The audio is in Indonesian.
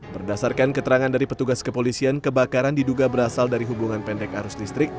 berdasarkan keterangan dari petugas kepolisian kebakaran diduga berasal dari hubungan pendek arus listrik